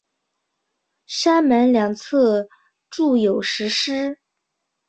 山门两侧筑有石狮。